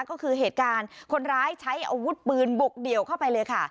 ก็คือเหตุการณ์คนร้ายใช้อาวุธปืนบุกเดี่ยวเข้าไปเลยค่ะ